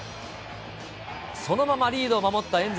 そのままリードを守ったエン